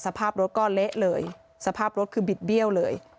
สภาพรถก็เละเลยสภาพรถคือบิดเบี้ยวเลย